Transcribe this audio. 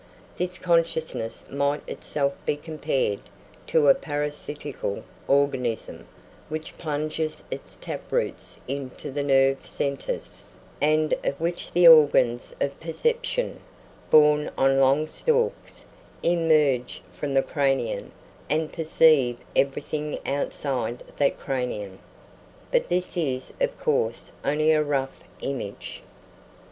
This consciousness might itself be compared to a parasitical organism which plunges its tap roots into the nerve centres, and of which the organs of perception, borne on long stalks, emerge from the cranium and perceive everything outside that cranium. But this is, of course, only a rough image.